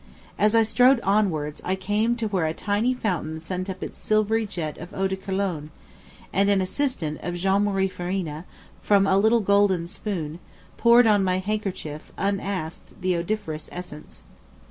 As I strolled onwards, I came to where a tiny fountain sent up its silvery jet of eau de Cologne, and an assistant of Jean Marie Farina, from a little golden spoon, poured on my handkerchief, unasked, the odoriferous essence.